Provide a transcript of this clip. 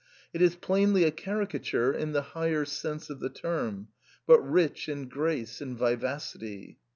It is plainly a caricature in the higher sense of the term, but rich in grace and vivacity.